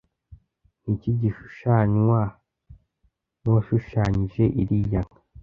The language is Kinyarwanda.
Niki gishushanywa nuwashushanyije iriya nka?